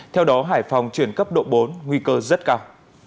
theo đó hải phòng chuyển cấp độ bốn nguy cơ rất cao